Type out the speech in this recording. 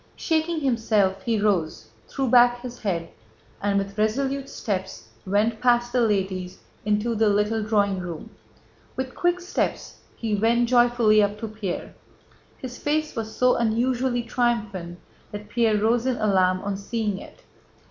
Shaking himself, he rose, threw back his head, and with resolute steps went past the ladies into the little drawing room. With quick steps he went joyfully up to Pierre. His face was so unusually triumphant that Pierre rose in alarm on seeing it.